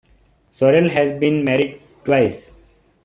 Sorel has been married twice.